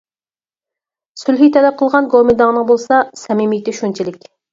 سۈلھى تەلەپ قىلغان گومىنداڭنىڭ بولسا سەمىمىيىتى شۇنچىلىك.